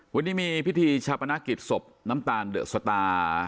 วันนี้มีพิธีชาปนกิจศพน้ำตาลเดอะสตา